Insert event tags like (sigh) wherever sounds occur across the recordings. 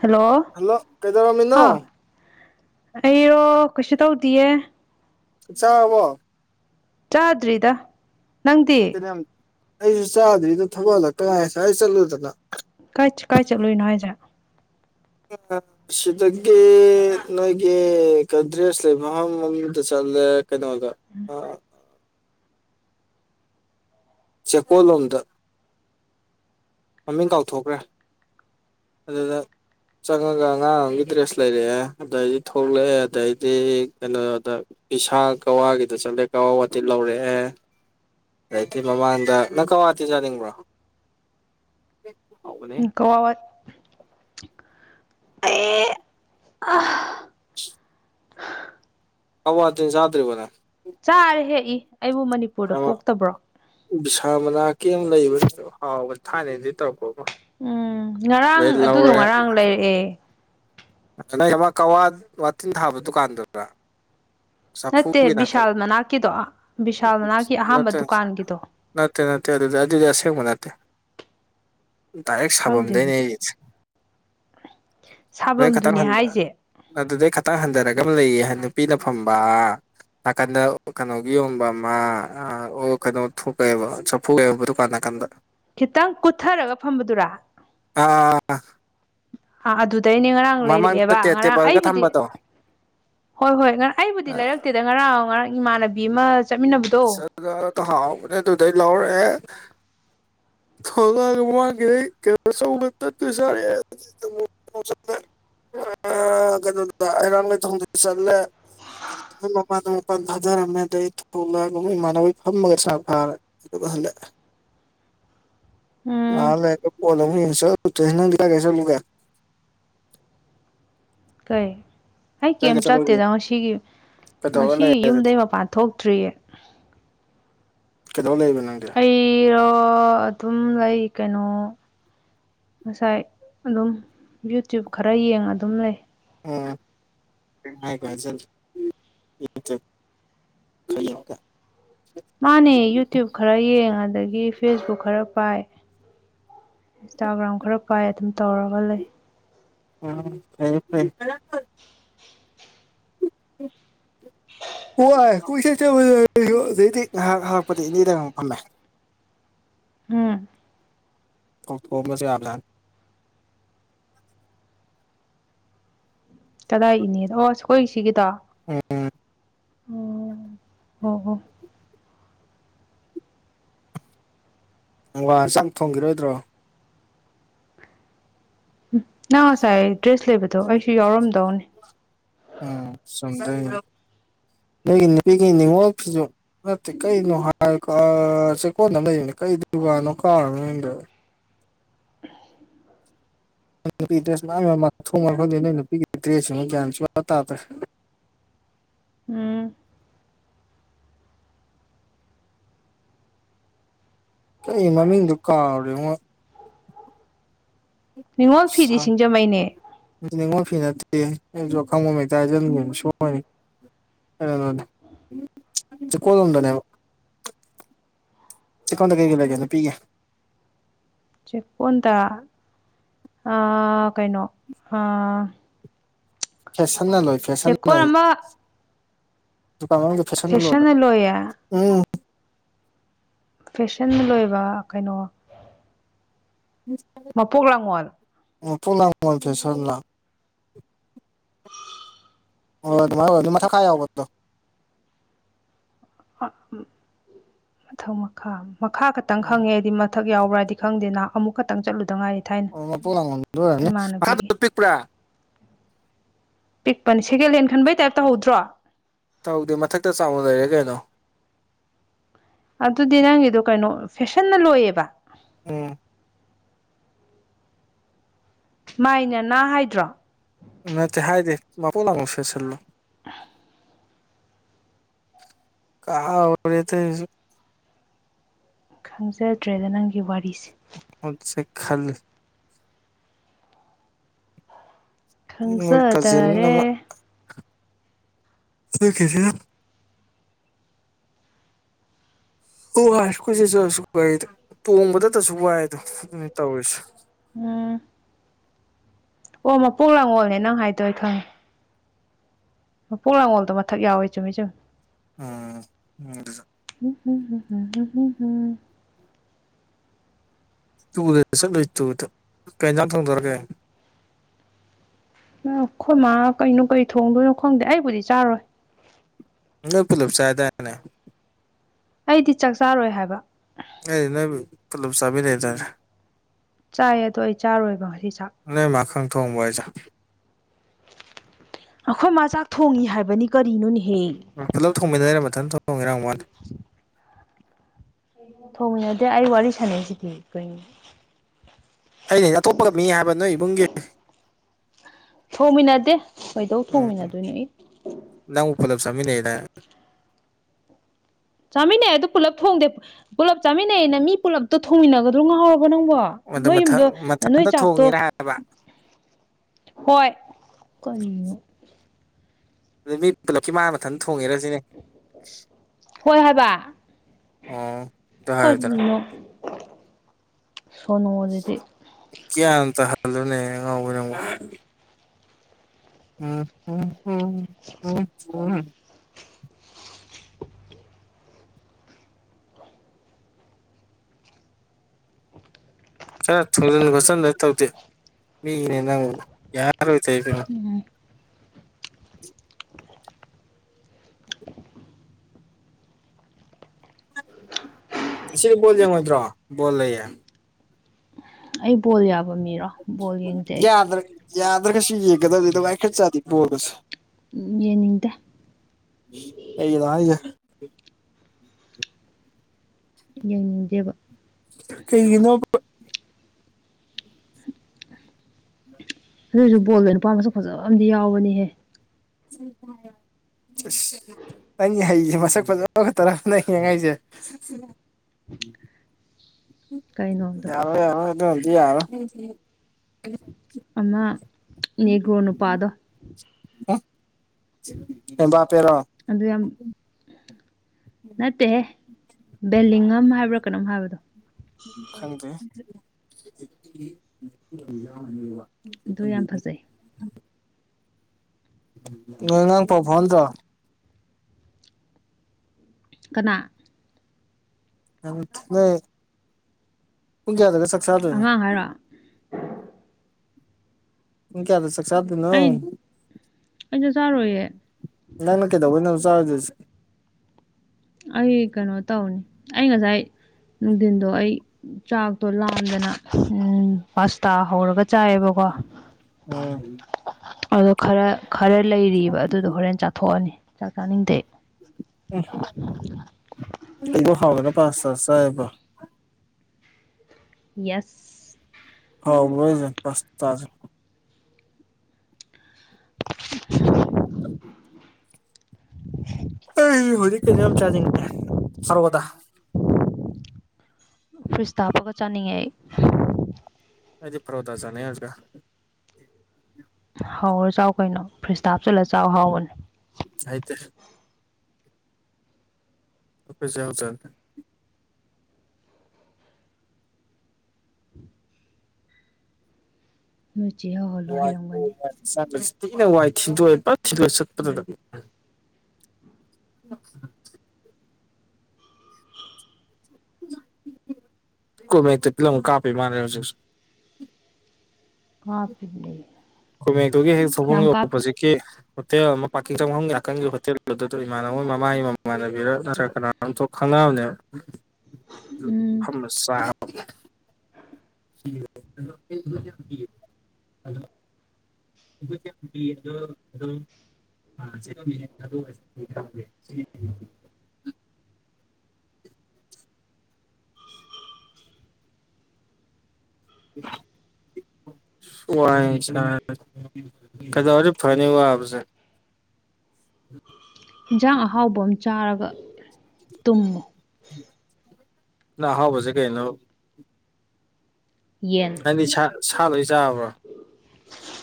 hello hello ꯀꯩꯗꯧꯔꯝꯃꯤꯅꯣ ꯍꯥ ꯑꯩꯔꯣ ꯀꯩꯁꯨ ꯇꯧꯗꯌꯦ ꯆꯥꯔꯕꯣ ꯆꯥꯗ꯭ꯔꯤꯗ ꯅꯪꯗꯤ ꯀꯩꯅꯝ ꯑꯩꯁꯨ ꯆꯥꯗ꯭ꯔꯤꯗꯣ ꯊꯕꯛꯜꯂꯛꯇ ꯉꯥꯏꯁꯋꯥꯏ ꯆꯠꯂꯨꯗꯅ ꯀꯥꯏ ꯀꯥꯏ ꯆꯠꯂꯨꯏꯅꯣ ꯍꯥꯏꯁꯦ ꯎꯝ ꯁꯤꯒꯤ ꯅꯣꯏꯒꯤ ꯀꯗ꯭ꯔꯦꯁ ꯂꯩ ꯃꯗ ꯆꯗ꯭ꯔ ꯀꯩꯅꯣꯗ ꯑ ꯆꯄꯣꯂꯣꯗ ꯃꯃꯤꯡ ꯀꯥꯎꯊꯣꯛꯈ꯭ꯔꯦ ꯑꯗꯨꯗ ꯆꯪꯉꯒ ꯑꯉꯥꯡ ꯑꯃꯒꯤ ꯗ꯭ꯔꯦꯁ ꯂꯩꯔꯛꯑꯦ ꯑꯗꯩꯗꯤ ꯊꯣꯛꯂꯛꯑꯦ ꯑꯗꯩꯗꯤ ꯀꯩꯅꯣꯗ ꯄꯁꯥ ꯀꯋꯥꯒꯤꯗ ꯆꯠꯂꯦ ꯀꯋꯥ ꯋꯥꯇꯤꯟ ꯂꯧꯔꯛꯑꯦ ꯑꯗꯤ ꯃꯃꯥꯡꯗ ꯅꯪ ꯀꯋꯥꯇꯤꯖꯥꯅꯤꯡꯕ꯭ꯔꯣ ꯀꯋꯥꯕꯠ ꯑꯩ ꯑꯋꯥ ꯊꯤꯟꯖꯥꯗ꯭ꯔꯤꯕꯗ ꯆꯥꯔꯦ ꯍꯦꯛꯏ ꯑꯩꯕꯨ ꯃꯅꯤꯄꯨꯔꯗ ꯑꯃ ꯄꯣꯛꯇꯕ꯭ꯔꯣ ꯕꯤꯁꯥ ꯃꯅꯥ ꯀꯦꯝ ꯂꯩꯕꯕꯁꯤꯁꯨ ꯍꯥꯎꯕ ꯊꯥꯏꯅꯩꯗꯒꯤ ꯇꯧꯔꯛꯄ ꯑꯃ ꯎꯝ ꯉꯔꯥꯡ ꯁꯤꯗꯩ ꯑꯗꯨꯗꯣ ꯂꯧꯔꯦ ꯉꯔꯥꯡ ꯂꯩꯔꯛꯑꯦ ꯅ ꯀꯋꯥ ꯋꯥꯇꯤꯟ ꯊꯥꯕ ꯗꯨꯀꯥꯟꯗꯨꯗ꯭ꯔꯥ ꯅꯠꯇꯦ ꯁꯐꯨꯒꯤ ꯗꯜ ꯕꯤꯁꯥꯜ ꯃꯅꯥꯛꯀꯤꯗꯣ ꯕꯤꯁꯥꯜ ꯃꯅꯥꯛꯀꯤ ꯑꯍꯥꯟꯕ ꯅꯠꯇ ꯗꯨꯀꯥꯟꯒꯤꯗꯣ ꯅꯠꯇꯦ ꯅꯠꯇꯦ ꯑꯗꯨꯗꯤ ꯑꯗꯨꯗꯤꯑꯁꯦꯡꯕ ꯅꯠꯇꯦ ꯗꯥꯏꯔꯦꯛ ꯈꯪꯗꯦ ꯁꯥꯐꯝꯗꯒꯤꯅꯦ ꯑꯗꯨꯗꯤ ꯑꯩꯒꯤꯁꯦ ꯈꯇꯪ ꯁꯥꯐꯝꯗꯨꯅꯦ ꯍꯟꯕ ꯍꯥꯏꯁꯦ ꯑꯗꯨꯗꯩ ꯈꯥꯇꯪ ꯍꯟꯊꯔꯒ ꯑꯃ ꯂꯩꯌꯦ ꯍꯥꯏ ꯅꯨꯄꯤꯅ ꯐꯝꯕ ꯅꯥꯀꯟꯗ ꯀꯩꯅꯣꯒꯤ ꯌꯣꯟꯕ ꯑꯃ ꯑꯣ ꯀꯩꯅꯣ ꯊꯣꯛꯀꯑꯦꯕ ꯊꫭꯛꯑꯥ ꯗꯨꯀꯥꯟ ꯅꯥꯀꯟꯗ ꯈꯤꯇꯪ ꯀꯨꯊꯔꯒ ꯐꯝꯕꯗꯨꯔꯥ ꯑꯥ ꯑꯥ ꯑꯗꯨꯗꯩꯅꯦ ꯉꯔꯥꯡ ꯃꯃꯥꯡꯗ ꯂꯩꯔꯛꯑꯦꯕ ꯉꯔꯥꯡ ꯇꯦꯕꯜꯒ ꯑꯩꯕꯨꯗꯤ ꯊꯝꯕꯗꯣ ꯍꯣꯏ ꯍꯣꯏ ꯉꯔꯥꯡ ꯑꯩꯕꯨꯗꯤ ꯂꯩꯔꯛꯇꯦꯗ ꯉꯔꯥꯡ ꯉꯔꯥꯡ ꯏꯃꯥꯟꯅꯕꯤ ꯑꯃ ꯆꯠꯃꯤꯟꯅꯕꯗꯣ ꯑꯗꯨꯗ ꯇꯍꯥꯎꯕꯅꯦ ꯑꯗꯨꯗꯩ ꯂꯧꯔꯛꯑꯦ ꯊꯣꯛꯂꯛꯑꯒ ꯃꯥꯒꯤꯅ ꯑꯆꯧꯕ ꯆꯠꯇꯣꯏ ꯁꯥꯔ ꯑ ꯀꯩꯅꫭꯗꯥ ꯍꯩꯔꯥꯡꯒꫭꯏ ꯊꯣꯡꯗꯣꯏ ꯆꯜꯂꯦ (unintelligible) ꯑꯗꯨꯒ ꯍꯜꯂꯛꯑ ꯎꯝ ꯅꯥꯗꯤ ꯀꯥꯏ ꯀꯥꯏ ꯆꯠꯂꯨꯒꯦ ꯀꯩ ꯑꯩ ꯀꯥꯏ ꯀꯔꯤꯝ ꯀꯥꯏ ꯆꯠꯂꯨꯒꯦ ꯆꯠꯇꯦꯗ ꯉꯁꯤꯒꯤ ꯀꯩꯗꯧꯔ ꯉꯁꯤ ꯂꯩꯔꯦ ꯑꯗꯨꯗꯤ ꯌꯨꯝꯗꯩ ꯃꯄꯥꯟ ꯊꯣꯛꯇ꯭ꯔꯤꯌꯦ ꯀꯩꯗꯧ ꯂꯩꯕ ꯅꯪꯗꯤ ꯑꯩꯔꯣ ꯑꯗꯨꯝ ꯂꯩ ꯀꯩꯅꯣ ꯉꯁꯥꯏ ꯑꯗꯨꯝ ꯌꯨꯇ꯭ꯌꯨꯕ ꯈꯔ ꯌꯦꯡꯉ ꯑꯗꯨꯝ ꯂꯩ (unintelligible) (unintelligible) ꯃꯥꯅꯦ ꯌꯨꯇ꯭ꯌꯨꯕ ꯈꯔ ꯌꯦꯡ ꯑꯗꯒꯤ ꯐꯦꯁꯕꯨꯛ ꯈꯔ ꯄꯥꯏ ꯏꯟꯁꯇꯥꯒ꯭ꯔꯥꯝ ꯈꯔ ꯄꯥꯏ ꯑꯗꯨꯝ ꯇꯧꯔꯒ ꯂꯩ ꯎꯝ ꯐꯥꯏ ꯐꯥꯏ (inaudible) (inaudible) (unintelligible) (inaudible) ꯎꯝ ꯀꯧꯊꫭꯛ ꯑꯃꯁꯨ ꯌꯥꯕꯖꯠꯅꯤ ꯀꯗꯥꯏ ꯏꯅꯦꯗ ꯑꯣ ꯑꯈꯣꯏ ꯁꯤꯒꯤꯗꯣ ꯑꯣ ꯑꯣ ꯍꯣꯏ ꯑꯪ ꯋꯥ ꯆꯥꯡ ꯊꯣꯡꯈꯤꯔꯣꯏꯗ꯭ꯔꯣ ꯎꯝ ꯅꯪ ꯉꯁꯥꯏ ꯗ꯭ꯔꯦꯁ ꯂꯩꯕꯗꯣ ꯑꯩꯁꯨ ꯌꯥꯎꯔꯝꯗꯧꯅꯦ ꯎꯝ ꯆꯨꯝꯗꯨꯅꯤ ꯅꫭꯏ ꯅꯨꯄꯤꯒꯤ ꯅꯤꯡꯉꫭꯜ ꯐꯤꯖꫭꯜꯗꫭ ꯅꯠꯇꯦ ꯀꯩꯅꯣ ꯍꯥꯏ ꯀꯁꯦ ꯆꯦꯛꯀꫭꯟꯗ ꯂꯩꯕꯅꯤ ꯀꯩ ꯗꯨꯀꯥꯟꯅꯣ ꯀꯧꯔꯦ‌ ꯃꯃꯥꯡꯗꫭ ꯅꯨꯄꯤ ꯗ꯭ꯔꯦꯁ ꯃꯊꯣꯡ ꯈꯪꯗꯦ ꯅꯣꯏ ꯅꯨꯄꯤꯒꯤ ꯗ꯭ꯔꯦꯁꯁꯤ ꯒ꯭ꯌꯥꯟꯁꯨ ꯇꯥꯗ꯭ꯔꯦ ꯎꯝ ꯀꯩ ꯃꯃꯤꯡꯗꫭ ꯀꯥꯎꯔꯤꯃꯣ ꯅꯤꯡꯉꯣꯜ ꯐꯤꯗꯤ ꯁꯤꯡꯖꯃꯩꯅꯦ ꯑꯗꯨ ꯅꯤꯡꯉꯣꯜ ꯐꯤ ꯅꯠꯇꯦ ꯑꯩꯁꯨ ꯑꯈꯪꯕ ꯑꯃꯥ ꯍꯦꯛꯇꯥ ꯍꯥꯖꯟꯈꯤꯕꯅꯤ ꯁꫭꯏꯔꯦ ꯀꯩꯅꫭꯗꯅꯦ ꯆꯦꯛꯀꫭꯟ ꯂꫭꯝꯗꯅꯦ ꯍꯥꯏꯕ ꯆꯦꯛꯀꯣꯟꯗꯗ ꯀꯩ ꯀꯩ ꯂꯩꯒꯦ ꯅꯨꯄꯤꯒꯦ ꯆꯦꯛꯀꯣꯟꯗ ꯑꯥ ꯀꯩꯅꯣ ꯑꯥ ꯐꯦꯁꯟꯅ ꯂꯣꯏ ꯐꯦꯁꯟꯅ ꯆꯦꯛꯀꯣꯟ ꯑꯃ ꯗꯨꯀꯥꯟ ꯐꯁꯅ ꯐꯦꯁꯟꯅ ꯂꯣꯏꯕꯅꯤ ꯂꯣꯏꯌꯦ ꯎꯝ ꯐꯦꯁꯟꯗ ꯂꯣꯏꯕ ꯀꯩꯅꯣ ꯎꯝ ꯃꯄꯣꯛ ꯂꯥꯉꫭꯜ ꯃꯥꯄꫭꯛ ꯂꯥꯛꯉꯥꯟ ꯐꯦꯁꯟꯂꯥ ꯑꯣ ꯑꯗꯨꯃꯥꯏ ꯑꯗꯨꯝ ꯃꯊꯪꯈꯥ ꯌꯥꯎꯕꯗꯣ ꯃꯊꯛ ꯃꯈꯥ ꯃꯈꯥ ꯈꯛꯇꯪ ꯎꯝ ꯈꯪꯉꯦ ꯑꯩꯗꯤ ꯃꯠ ꯃꯊꯛ ꯌꯥꯎꯕ꯭ꯔꯥꯗꯤ ꯈꯪꯗꯦꯅ ꯑꯃꯨꯛ ꯈꯛꯇꯪ ꯆꯠꯂꯨꯗ ꯉꯥꯏꯔꯤ ꯊꯥꯏꯅ ꯑꯣ ꯃꯄꯣꯛ ꯂꯥꯡꯉꯣꯟꯗꯣ ꯑꯣꯏꯔꯝꯅꯤ ꯃꯈꯥꯗꯣ ꯏꯃꯥꯟꯅꯕꯤꯒꯤ ꯄꯤꯛꯄ꯭ꯔꯥ ꯄꯤꯛꯄꯅꯤ ꯁꯦꯀꯦꯟ ꯍꯦꯟ ꯈꯟꯕꯩ ꯇꯥꯏꯞꯇ ꯇꯧꯍꯧꯗ꯭ꯔꯣ ꯇꯧꯗꯦ ꯃꯊꯛꯇ ꯆꯥꯎꯅ ꯂꯩꯔꯦ ꯀꯩꯅꯣ ꯑꯗꯨꯗꯤ ꯅꯪꯒꯤꯗꯣ ꯀꯩꯅꯣ ꯐꯦꯁꯟꯅ ꯂꯣꯏꯌꯦꯕ ꯎꯝ ꯃꯥꯏ ꯅꯅꯥ ꯍꯥꯏꯗ꯭ꯔꯣ ꯎ ꯅꯠꯇꯦ ꯍꯥꯏꯗꯦ ꯃꯄꯣꯛ ꯂꯥꯡꯉꯣꯜ ꯐꯦꯁꯜꯂꯣ INAUDIBLE ꯀꯥꯎꯔꯦ ꯇꯧꯔꯁꯤꯕꯨ ꯈꯪꯖꯗ꯭ꯔꯦꯗ ꯅꯪꯒꯤ ꯋꯥꯔꯤꯁꯦ ꯑꯠꯁꯦ ꯈꯂ ꯃꯣꯏ ꯀꯖꯤꯟ ꯑꯃ ꯈꯪꯖꯗꯔꯦ ꯁꯤꯁꯤ ꯑꯣ ꯀꯣꯏꯁꯤꯠ ꯆꯁꯨ ꯀꯗ ꯇꯣꯡꯕꯗꯇꯁꯨ ꯋꯥꯏꯗꯣ ꯑꯗꯨꯃꯥꯏꯅ ꯇꯧꯔꯤꯁꯦ ꯎꯝ ꯑꯣ ꯃꯄꯣꯛ ꯂꯥꯡꯒꯣꯜꯅꯦ ꯅꯪ ꯍꯥꯏꯗꯣꯏ ꯑꯩ ꯈꯪꯉꯦ ꯃꯄꯣꯛ ꯂꯉꯣꯜꯗ ꯃꯊ ꯌꯥꯎꯋꯤ ꯆꯨꯝꯃꯤ ꯆꯨꯝꯃꯤ ꯎꯝ ꯎꯝ ꯑꯗꯨ ꯎ ꯇꯨꯗ ꯆꯠꯂꯨꯁꯤ ꯇꯨꯗ ꯀꯩꯖ ꯊꯪꯗꯣꯔꯔꯒꯦ ꯑꯩꯈꯣꯏꯃ ꯀꯩꯅꯣ ꯀꯩ ꯊꯣꯡꯗꯣꯏꯅꯣ ꯈꯪꯗꯦ ꯑꯩꯕꯨꯗꯤ ꯆꯥꯔꯣꯏ ꯅꯣꯏ ꯄꯨꯂꯞ ꯆꯥꯏ ꯑꯗꯥꯏꯅꯦ ꯑꯩꯗꯤ ꯆꯥꯛ ꯆꯥꯔꯣꯏ ꯍꯥꯏꯕ ꯑꯩꯅ ꯅꯣꯏꯕꯨ ꯄꯨꯂꯞ ꯆꯥꯃꯤꯟꯅꯩ ꯑꯗꯥꯏꯅꯦ ꯆꯥꯏꯌꯦ ꯑꯗꯣ ꯑꯩ ꯆꯥꯔꯣꯏꯕ ꯉꯁꯤ ꯆꯥꯛ ꯅꯣꯏ ꯃꯥꯈꯛ ꯊꯣꯡꯕꯣ ꯍꯥꯏꯖꯦ ꯑꯈꯣꯏ ꯃꯥ ꯆꯥꯛ ꯊꯣꯡꯉꯤ ꯍꯥꯏꯕꯅꯤ ꯀꯔꯤꯅꯣꯅꯦꯍꯦ ꯄꯨꯂꯞ ꯊꯣꯡꯃꯤꯟꯅꯩꯔ ꯃꯊꯟ ꯊꯣꯡꯉꯤꯔ ꯍꯪꯕꯋꯥꯅꯤ ꯊꯣꯡꯃꯤꯟꯅꯗꯦ ꯑꯩ ꯋꯥꯔꯤ ꯁꯥꯟꯅꯩꯁꯤꯗꯤ ꯀꯩꯅꯅꯤ ꯑꯩꯅ ꯑꯇꯣꯞꯄꯒ ꯃꯤ ꯍꯥꯏꯕ ꯅꯣꯏ ꯏꯕꯨꯡꯒꯤ ꯊꯣꯡꯃꯤꯟꯅꯗꯦ ꯀꯩꯗꯧ ꯎꯝ ꯊꯣꯡꯃꯤꯟꯅꯗꯣꯏꯅꯣ ꯏ ꯅꯪꯕꯨ ꯄꯨꯜꯂꯞ ꯆꯥꯃꯤꯟꯅꯩ ꯑꯗꯥꯏꯅꯦ ꯆꯥꯃꯤꯟꯅꯩ ꯑꯗꯨ ꯄꯨꯂꯞ ꯊꯣꯡꯗꯦ ꯄꯨꯂꯞ ꯆꯥꯃꯤꯟꯅꯩꯩꯅ ꯃꯤ ꯄꯨꯂꯞꯇꯣ ꯊꯣꯡꯃꯤꯟꯅꯒꯗ ꯑꯗꯨ ꯉꯥꯎꯔꯕꯣ ꯅꯪꯕꯣ ꯑꯗ ꯅꯣꯏ ꯌꯨꯝꯗꯣ ꯃꯊꯟ ꯅꯣꯏ ꯃꯊꯟꯇ ꯆꯥꯛꯇꯣ ꯊꯣꯡꯉꯦꯅ ꯍꯥꯏꯕ ꯍꯣꯏ ꯀꯔꯤꯅꯣ ꯑꯗꯨ ꯃꯤ ꯄꯨꯂꯞꯀꯤ ꯃꯥ ꯃꯊꯟ ꯊꯣꯡꯉꯤꯔ ꯁꯤꯅꯤ ꯍꯣꯏ ꯍꯥꯏꯕ ꯑꯣ ꯇ ꯍꯥꯏꯗꯔ ꯁꯣꯅꯣ ꯖꯤꯗꯤ ꯀ꯭ꯌꯥꯟ ꯇꯥꯍꯜꯂꯨꯅꯦ ꯑꯉꯥꯎꯕꯤ ꯅꯪꯕꯣ ꯎ ꯍ ꯍ ꯍ ꯍ ꯈꯔ ꯊꯣꯡꯖꯤꯟ ꯈꯣꯠꯆꯟꯗ ꯇꯧꯗꯦ ꯃꯤꯅꯦ ꯅꯪꯕꯨ ꯌꯥꯔꯣꯏ ꯇꯩꯗꯨꯒ ꯎꯝ ꯉꯁꯤ ꯕꯣꯜ ꯌꯦꯡꯉꯣꯏꯗ꯭ꯔꯣ ꯕꯣꯜ ꯂꯩꯌꯦ ꯑꯩ ꯕꯣꯜ ꯌꯥꯕ ꯃꯤꯔꯣ ꯕꯣꯜ ꯌꯦꯡꯗꯦ ꯑꯩ ꯌꯥꯗ꯭ꯔ ꯌꯥꯗ꯭ꯔꯒꯁꯨ ꯌꯦꯡꯒꯗꯕꯅꯤ ꯅꯨꯡꯉꯥꯏꯈ꯭ꯔꯖꯥꯠꯅꯤ ꯕꯣꯜ ꯑꯁꯦ ꯌꯦꯡꯅꯤꯡꯗꯦ ꯀꯩꯒꯤꯅꯣ ꯍꯥꯏꯖꯦ (inaudible) ꯌ‌ꯦꯡꯅꯤꯡꯗꯦꯕ ꯀꯩꯒꯤꯅꯣ ꯑꯗꯨꯏꯁꯨ ꯕꯣꯜꯗ ꯅꯨꯄꯥꯃꯁꯛ ꯐꯖꯕ ꯑꯃꯗꯤ ꯌꯥꯎꯕꯅꯤꯍꯦ (inaudible) ꯑꯁ ꯅꯪꯒꯤ ꯍꯩꯁꯦ ꯃꯁꯛ ꯐꯖꯕ ꯈꯇꯔꯥ (unintelligible) ꯎꯝ ꯀꯩꯅꯣꯗꯣ ꯌꯥꯔꯣꯏ-ꯌꯥꯔꯣꯏ ꯑꯗꯨꯅꯗꯤ ꯌꯥꯔ‌ꯣꯏ ꯑꯃ ꯅꯦꯒ꯭ꯔꯣ ꯅꯨꯄꯥꯗꯣ ꯍꯡꯒ ꯇꯦꯔꯥ ꯑꯗꯨ ꯌꯥꯝ ꯅꯠꯇꯦꯍ‌ꯦ ꯕꯦꯂꯤꯡꯉꯝ ꯍꯥꯏꯕ꯭ꯔ ꯀꯩꯅꯣꯝ ꯍꯥꯏꯕꯗꯣ ꯎ ꯈꯪꯗꯦ ꯑꯗꯣ ꯌꯥꯝ ꯐꯖꯩ ꯉ ꯉꯥꯡ ꯄꯥꯎꯐꯥꯎꯅꯗꯣ ꯀꯅꯥ ꯄꯨꯡ ꯀꯌꯥꯗꯒ ꯆꯠ ꯑꯉꯥꯡ ꯍꯥꯏꯔꯣ ꯄꯨꯡ ꯀꯌꯥꯗ ꯆꯛꯆꯥꯗꯣꯏꯅꯣ ꯑꯩꯆꯥꯛ ꯆꯥꯔꯣꯏꯌꯦ ꯅꯪꯅ ꯀꯩꯗꯧꯕꯩꯅꯣꯕ ꯆꯥꯔꯣꯏꯗꯣꯏꯁꯦ ꯑꯩ ꯀꯩꯅꯣ ꯇꯧꯅꯤ ꯑꯩ ꯉꯁꯥꯏ ꯅꯨꯡꯊꯤꯟꯗꯣ ꯑꯩ ꯆꯥꯛꯇꯣ ꯂꯥꯝꯗꯅ ꯎꯝ ꯄꯥꯁꯇꯥ ꯍꯧꯔꯒ ꯆꯥꯏꯌ‌ꯦꯕꯀꯣ ꯎꯝ ꯑꯗꯣ ꯈꯔ ꯈꯔ ꯂꯩꯔꯤꯕ ꯑꯗꯨꯗꯣ ꯍꯣꯔꯦꯟ ꯆꯥꯊꯣꯛꯑꯅꯤ ꯆꯥꯛ ꯆꯥꯅꯤꯡꯗꯦ ꯎꯝ ꯀꯩꯗ ꯍꯥꯎꯗꯅ ꯄꯥꯁꯇꯥ ꯆꯥꯏꯕ ꯌꯦꯁ ꯍꯥꯎꯕ꯭ꯔ‌ꯣ ꯍꯥꯏꯖ ꯄꯥꯁ ꯇꯥꯖ‌ꯦ (inaudible) ꯑꯩ ꯍꯧꯖꯤꯛ ꯀꯩꯅ‌ꯣ ꯌꯥꯝ ꯆꯥꯅꯤꯡꯅꯦ ꯐꯔ‌ꯣꯗ ꯐ꯭ꯔꯤꯁꯇ ꯍꯥꯞꯄꯒ ꯆꯥꯅꯤꯡꯉꯦ ꯑꯩ ꯑꯩꯗꯤ ꯐꯔꯣꯗꯥ ꯆꯅꯤꯡ ꯍꯥꯏꯖ‌ꯦ ꯍꯥꯎꯔ ꯆꯥꯎ ꯀꯩꯅꯣ ꯐ꯭ꯔꯤꯁꯇꯥ ꯍꯥꯞ ꯆꯜꯂ ꯆꯥꯎ ꯍꯥꯎꯕꯅꯦ ꯍꯩ ꯇ‌ꯦ (unintelligible) ꯃꯤꯆꯦꯜ ꯋꯥꯏꯀ‌ꯣ ꯋꯥꯏ (unintelligible) ꯊꯤꯅ ꯋꯥꯏ ꯊꯤꯟꯗꯣꯛꯑꯦ ꯄ ꯊꯤꯟꯗꯣꯛꯑꯦ ꯆꯠꯄꯗꯗ (inaudible) (unintelligible) (inaudible) ꯄꯤꯂꯝ ꯀꯥꯄꯤ ꯃꯥ ꯍꯧꯖꯦꯛꯁꯨ ꯀꯥꯞꯄꯤꯅ‌ꯦ ꯀꯃꯦꯛꯇꯒꯤ ꯍꯦꯛ ꯊꯧꯐꯝ ꯌꯔ ꯍꯧꯖꯤꯛꯀꯤ ꯍꯣꯇꯦꯜ ꯑꯃ ꯄꯥꯔꯀꯤꯡ ꯆꯪꯐꯝ ꯉꯥꯛꯀꯟꯒꯤ ꯍꯣꯇꯦꯜ ꯑꯗꯨ ꯑꯗꯣ ꯏꯃꯥꯟꯅꯕꯣꯏ ꯃꯃꯥꯡꯒꯤ ꯃꯃ ꯃꯥꯟꯅꯕꯤꯔ ꯅꯠꯇ꯭ꯔꯒ ꯀꯅꯥ ꯑꯃꯝ ꯊꯣꯛ ꯈꯪꯅꯕꯅꯦꯕ ꯎꯝ ꯐꯝꯃꯥ ꯆꯔꯒꯤ (unintelligible) (inaudible) (inaudible) (unintelligible) ꯋꯥꯏꯌꯦ (unintelligible) ꯀꯩꯗꯧꯔꯗꯤ ꯐꯅꯤ ꯋꯥꯕꯁꯦ ꯏꯟꯁꯥꯡ ꯑꯍꯥꯎꯕ ꯑꯃ ꯆꯥꯔꯒ ꯇꯨꯝꯃꯨ ꯅ ꯍꯥꯎ ꯍꯧꯁꯦ ꯀꯩꯅ ꯌꯦꯁ ꯪꯗꯤ ꯁꯥꯠ ꯂꯣꯏ ꯆꯥꯕ꯭ꯔꯣ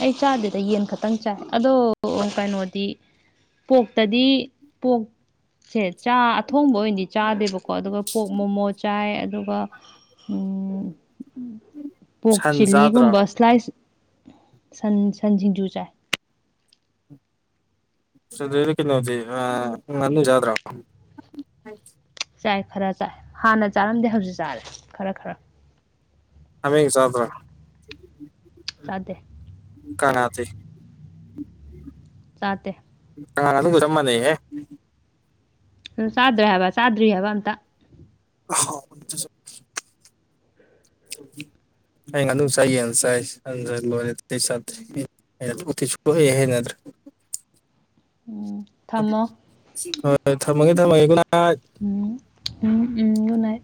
ꯑꯩ ꯆꯥꯗꯦꯗ ꯌꯦꯟ ꯈꯛꯇꯪ ꯆꯥꯏ ꯑꯗꯣ ꯀꯩꯅꯣꯗꯤ ꯄꯣꯛꯇꯗꯤ ꯄꯣꯛꯁꯦ ꯆꯥ ꯑꯊꯣꯡꯕ ꯑꯣꯏꯅꯗꯤ ꯆꯥꯗꯦꯕꯀꯣ ꯀꯣ ꯑꯗꯨꯒ ꯄꯣꯛ ꯃꯣꯃꯣ ꯆꯥꯏ ꯑꯗꯨꯒ ꯄꯣꯛ ꯁꯟ ꯆꯥꯗ꯭ꯔꯣ ꯆꯤꯂꯤꯒꯨꯝꯕ ꯁꯂꯥꯏꯁ ꯁꯟ ꯁꯟ ꯁꯤꯡꯖꯨ ꯆꯥꯏ ꯁꯤꯂꯅꯗꯤ ꯑ ꯅ ꯆꯥꯗ꯭ꯔ ꯆꯥꯏ ꯈꯔ ꯆꯥꯏ ꯍꯥꯟꯅ ꯆꯥꯔꯝꯗꯦ ꯍꯧꯖꯤꯛ ꯆꯥꯔꯦ ꯈꯔ ꯈꯔ ꯍꯃꯤ ꯆꯥꯇ꯭ꯔꯥ ꯆꯗꯦ ꯀꯅꯥꯗꯤ ꯆꯥꯇꯦ ꯑꯥ ꯑꯗꯨꯒ ꯆꯞ ꯃꯥꯟꯅꯩꯍꯦ ꯎꯝ ꯆꯥꯗ꯭ꯔꯣꯏ ꯍꯥꯏꯕ ꯆꯥꯗ꯭ꯔꯤ ꯍꯥꯏꯕ ꯑꯝꯇ ꯍꯥꯎꯕꯅꯦ ꯗꯨꯁꯨ ꯑꯩ ꯉꯥꯅꯨ ꯆꯥꯏ ꯌꯦꯟ ꯆꯥꯏ ꯁꯟꯒ ꯂꯣꯏꯔꯦ ꯑꯇꯩ ꯆꯥꯗ꯭ꯔꯦ ꯎꯤ ꯆꯂꯦ ꯍꯥꯏꯅ ꯑꯗꯨꯔꯦ ꯑꯣ ꯍꯣꯏ ꯊꯝꯃꯒꯦ ꯊꯝꯃꯒꯦ ꯒꯨꯠ‌ ꯅꯥꯏꯠ ꯎꯝ ꯎꯝ ꯎꯝ ꯒ‌ꯨꯠ‌ ꯅꯥꯏꯠ